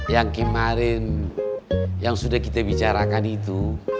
yang kemarin yang sudah kita bicarakan itu